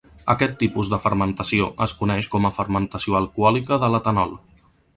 Aquest tipus de fermentació es coneix com a fermentació alcohòlica de l'etanol.